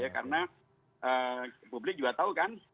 karena publik juga tahu kan